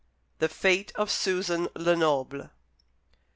THE FATE OF SUSAN LENOBLE.